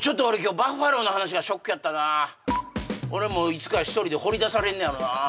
バッファローの話がショックやったな俺もいつか一人で放り出されんのやろな